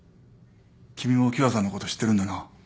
君も喜和さんのこと知ってるんだな。